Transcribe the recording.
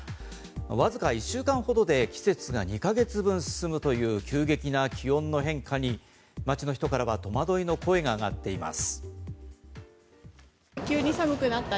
わずか１週間ほどで季節が２か月分進むという急激な気温の変化に街の人からは戸惑いの声が上がっています。